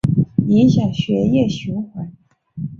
影响血液循环